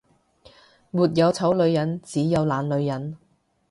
沒有醜女人，只有懶女人